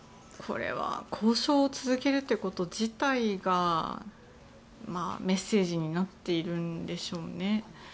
これは交渉を続けるということ自体がメッセージになっているんでしょうね。